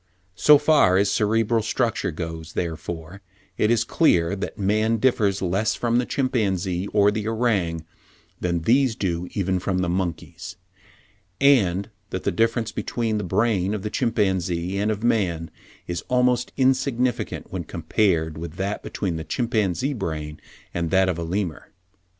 "So far as cerebral structure goes, therefore, it is clear that man differs less from the chimpanzee or the orang, than these do even from the monkeys, and that the difference between the brain of the chimpanzee and of man is almost insignificant when compared with that between the chimpanzee brain and that of a Lemur."